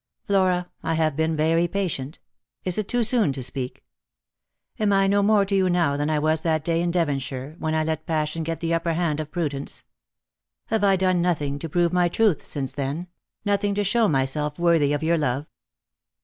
Flora, I have been very patient ; is it too soon to speak P Am I no more to you now than I was that day in Devonshire, when I let passion pet the upper hand of prudence P Have I done nothing to prove my truth since then ; nothing to show myself worthy of your love?